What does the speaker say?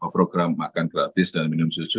program makan gratis dan minum susu